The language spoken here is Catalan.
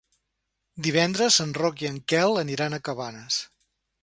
Divendres en Roc i en Quel aniran a Cabanes.